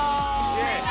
イエーイ！